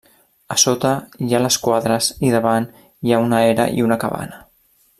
A sota hi ha les quadres i davant hi ha una era i una cabana.